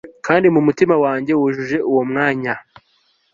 Kandi mumutima wanjye wujuje uwo mwanya